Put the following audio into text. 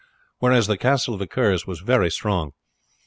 Whereas, the castle of the Kerrs was very strong.